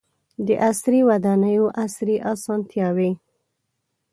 • د عصري ودانیو عصري اسانتیاوې.